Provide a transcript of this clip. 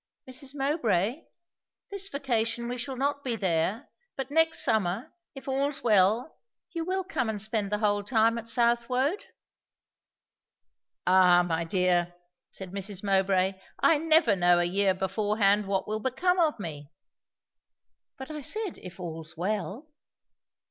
"Mrs. Mowbray this vacation we shall not be there but next summer, if all's well, you will come and spend the whole time at Southwode?" "Ah, my dear," said Mrs. Mowbray, "I never know a year beforehand what will become of me!" "But I said, if all's well?"